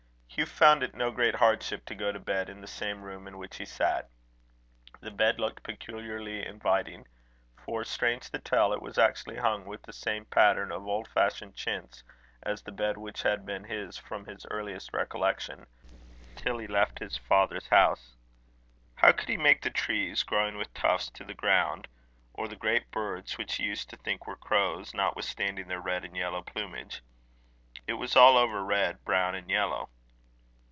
Hugh found it no great hardship to go to bed in the same room in which he sat. The bed looked peculiarly inviting; for, strange to tell, it was actually hung with the same pattern of old fashioned chintz, as the bed which had been his from his earliest recollection, till he left his father's house. How could he mistake the trees, growing with tufts to the ground, or the great birds which he used to think were crows, notwithstanding their red and yellow plumage? It was all over red, brown, and yellow.